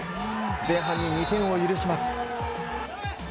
前半に２点を許します。